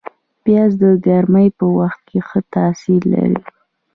پیاز د ګرمۍ په وخت ښه تاثیر لري